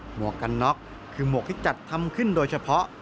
วกกันน็อกคือหมวกที่จัดทำขึ้นโดยเฉพาะ